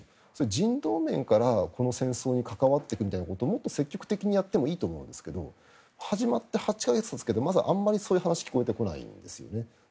人道面からこの戦争に関わっていくみたいなことをもっと積極的にやってもいいと思いますけど始まって８か月たつけどまだあまりそういう話聞こえてこないんですね。